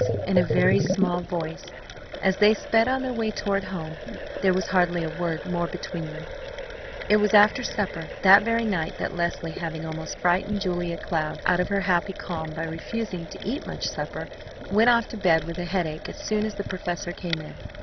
in a very small voice. As they sped on their way toward home, there was hardly a word more between them. It was after supper that very night that Leslie, having almost frightened Julia Cloud out of her happy calm by refusing to eat much supper, went off to bed with a headache as soon as the professor came in.